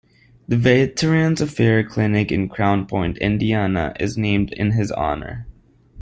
The Veterans Affairs clinic in Crown Point, Indiana, is named in his honor.